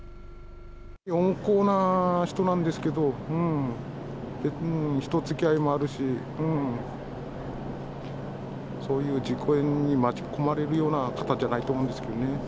温厚な人なんですけど、人づきあいもあるし、そういう事件に巻き込まれるような方じゃないと思うんですけどね。